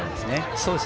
そうですね。